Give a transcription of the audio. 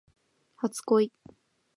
初恋